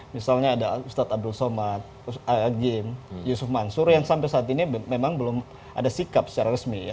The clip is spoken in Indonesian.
misalnya ada ustadz abdul somadjim yusuf mansur yang sampai saat ini memang belum ada sikap secara resmi ya